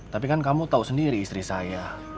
tapi kan kamu tahu sendiri istri saya